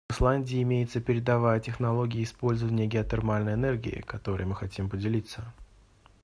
В Исландии имеется передовая технология использования геотермальной энергии, которой мы хотим поделиться.